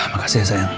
makasih ya sayang